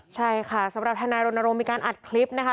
ใช่ค่ะสำหรับทนายรณรงค์มีการอัดคลิปนะคะ